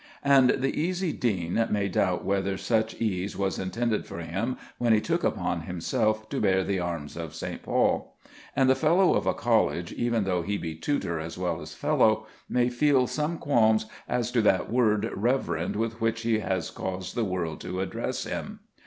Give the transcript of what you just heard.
And the easy dean may doubt whether such ease was intended for him when he took upon himself to bear the arms of St. Paul. And the fellow of a college, even though he be tutor as well as fellow, may feel some qualms as to that word reverend with which he has caused the world to address him.